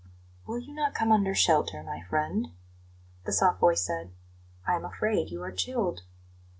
"Will you not come under shelter, my friend?" the soft voice said. "I am afraid you are chilled."